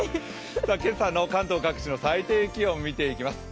今朝の関東各地の最低気温を見ていきます。